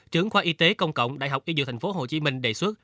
trưởng khoa y tế công cộng đại học y dự thành phố hồ chí minh đề xuất